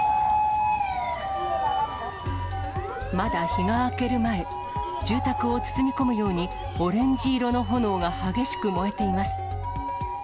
まだ日が明ける前、住宅を包み込むように、オレンジ色の炎が激しく燃えています。